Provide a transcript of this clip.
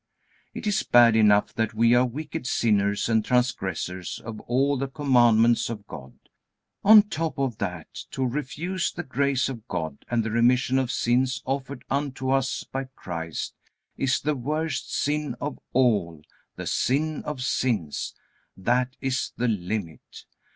It is bad enough that we are wicked sinners and transgressors of all the commandments of God; on top of that to refuse the grace of God and the remission of sins offered unto us by Christ, is the worst sin of all, the sin of sins. That is the limit.